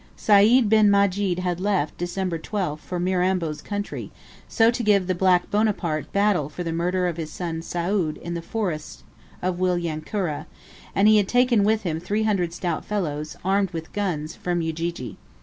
Sayd bin Majid had left, December 12, for Mirambo's country, to give the black Bonaparte battle for the murder of his son Soud in the forests of Wilyankuru; and he had taken with him 300 stout fellows, armed with guns, from Ujiji.